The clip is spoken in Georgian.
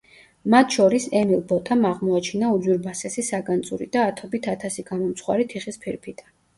მათ შორის ემილ ბოტამ აღმოაჩინა უძვირფასესი საგანძური და ათობით ათასი გამომცხვარი თიხის ფირფიტა.